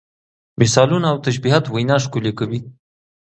مثالونه او تشبیهات وینا ښکلې کوي.